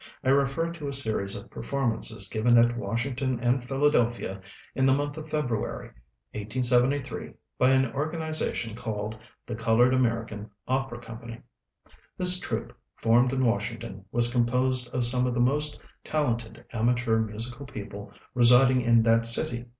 I refer to a series of performances given at Washington and Philadelphia in the month of February, 1873, by an organization called "The Colored American Opera Company." This troupe, formed in Washington, was composed of some of the most talented amateur musical people residing in that city.